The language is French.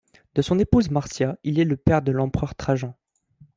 De son épouse Marcia, il est le père de l'empereur Trajan.